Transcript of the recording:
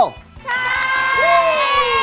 ใช่